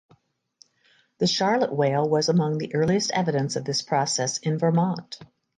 The Charlotte whale was among the earliest evidence of this process in Vermont.